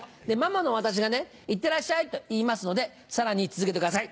ママの私が「いってらっしゃい」と言いますのでさらに続けてください。